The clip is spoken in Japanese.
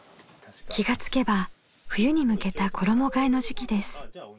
気が付けば冬に向けた衣がえの時期です。